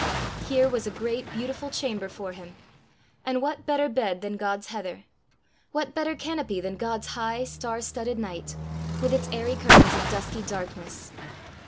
Here was a great, beautiful chamber for him! and what better bed than God's heather! what better canopy than God's high, star studded night, with its airy curtains of dusky darkness!